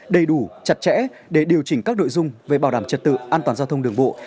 đầy đủ chặt chẽ để điều chỉnh các nội dung về bảo đảm trật tự an toàn giao thông đường bộ